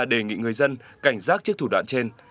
đề nghị người dân cảnh giác trước thủ đoạn trên